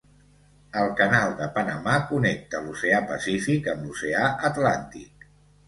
El Canal de Panamà connecta l'Oceà Pacífic amb l'Oceà Atlàntic.